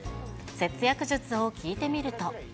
節約術を聞いてみると。